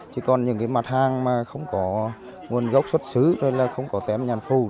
chỉ còn những mặt hàng mà không có nguồn gốc xuất xứ không có tém nhàn phù